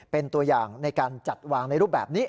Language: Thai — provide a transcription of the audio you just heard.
เป็นตัวอย่างในการจัดวางในรูปแบบนี้